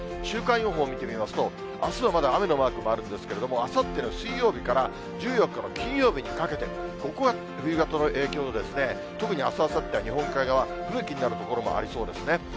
週間予報を見てみますと、あすはまだ雨のマークもあるんですけれども、あさっての水曜日から１４日の金曜日にかけて、ここが冬型の影響で、特にあす、あさっては日本海側、吹雪になる所もありそうですね。